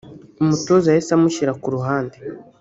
umutoza yahise amushyira ku ruhande